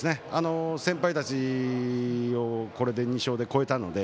先輩たちをこれで２勝で超えたので。